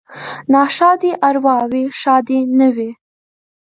ـ ناښادې ارواوې ښادې نه وي.